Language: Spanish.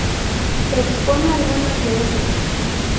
Se expone algunos de ellos.